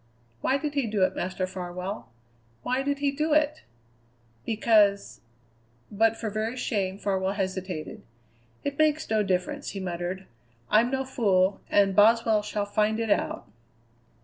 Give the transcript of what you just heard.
"Why did he do it, Master Farwell, why did he do it?" "Because " But for very shame Farwell hesitated. "It makes no difference," he muttered. "I'm no fool and Boswell shall find it out."